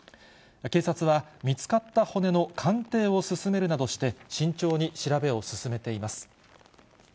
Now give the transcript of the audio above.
警察は見つかった骨の鑑定を進めるなどして、慎重に調べを進めています。